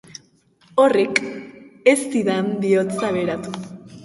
Horrek ez zidan bihotza beratu.